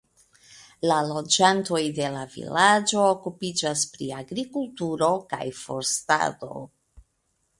La loĝantoj de la vilaĝo okupiĝas pri agrikulturo kaj forstado.